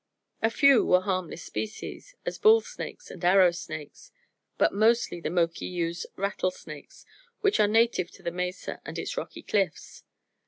A few were harmless species, as bull snakes and arrow snakes; but mostly the Moki used rattlesnakes, which are native to the mesa and its rocky cliffs.